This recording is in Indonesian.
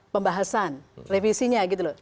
pembahasan revisinya gitu loh